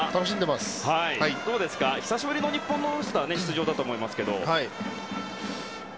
久しぶりのオールスター出場だと思いますが。